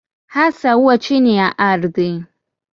Hasa huwa chini ya ardhi.